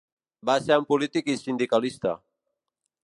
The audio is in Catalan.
Va ser un polític i sindicalista.